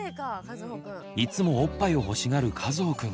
いつもおっぱいを欲しがるかずほくん。